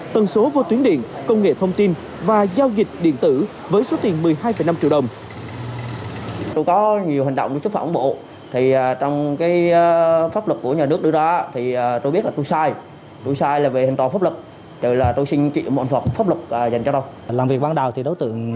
tần số vô tuyến điện công nghệ thông tin và giao dịch điện tử với số tiền một mươi hai năm triệu đồng